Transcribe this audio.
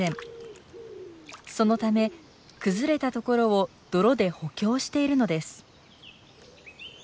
そのため崩れたところを泥で補強しているのです。